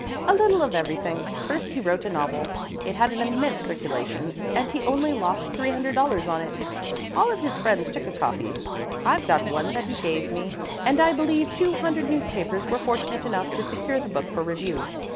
"A little of everything. First he wrote a novel. It had an immense circulation, and he only lost $300 on it. All of his friends took a copy I've got one that he gave me and I believe two hundred newspapers were fortunate enough to secure the book for review.